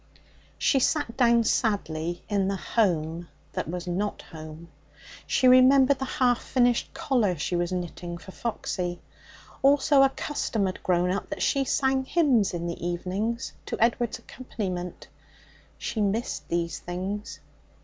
She sat down sadly in the home that was not home. She remembered the half finished collar she was knitting for Foxy. Also, a custom had grown up that she sang hymns in the evenings to Edward's accompaniment. She missed these things.